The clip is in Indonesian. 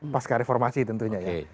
pasca reformasi tentunya ya